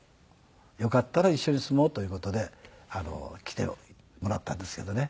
よかったら一緒に住もうという事で来てもらったんですけどね。